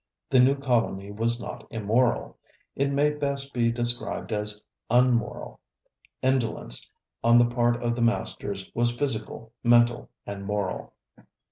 The new colony was not immoral; it may best be described as unmoral. Indolence on the part of the masters was physical, mental and moral.